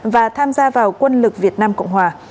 và tham gia vào quân lực việt nam cộng hòa